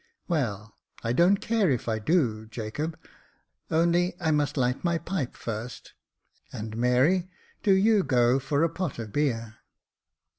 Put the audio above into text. " Well, I don't care if I do, Jacob, only I must light my pipe first ; and Mary, do you go for a pot o' beer."